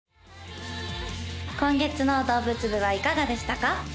今月の動物部はいかがでしたか？